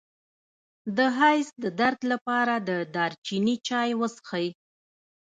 د حیض د درد لپاره د دارچینی چای وڅښئ